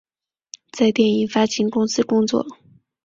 在电影发行公司工作。